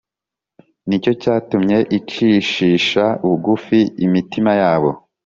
nicyo cyatumye icishisha bugufi imitima yabo